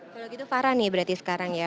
kalau gitu farah nih berarti sekarang ya